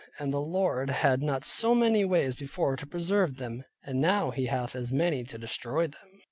And the Lord had not so many ways before to preserve them, but now He hath as many to destroy them.